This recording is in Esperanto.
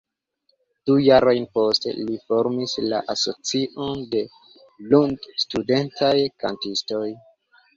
Du jarojn poste li formis la Asocion de Lund-Studentaj Kantistoj.